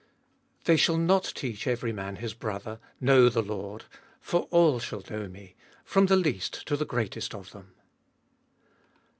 They shall not teach every man his brother, Know the Lord: for all shall know Me, from the least to the greatest of them.